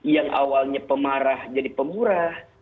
yang awalnya pemarah jadi pemurah